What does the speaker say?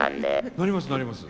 なりますなります。